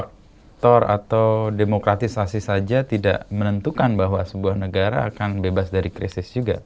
koruptor atau demokratisasi saja tidak menentukan bahwa sebuah negara akan bebas dari krisis juga